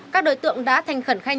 các đối tượng đã thành khẩn khai nhận